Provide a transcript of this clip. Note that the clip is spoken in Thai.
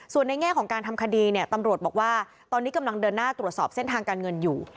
ส่วนในแง่ของการทำคดีเนี่ยตำรวจบอกว่าตอนนี้กำลังเดินหน้าตรวจสอบเส้นทางการเงินอยู่